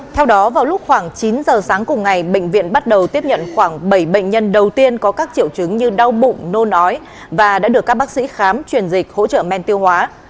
theo đó vào lúc khoảng chín giờ sáng cùng ngày bệnh viện bắt đầu tiếp nhận khoảng bảy bệnh nhân đầu tiên có các triệu chứng như đau bụng nôn ói và đã được các bác sĩ khám truyền dịch hỗ trợ men tiêu hóa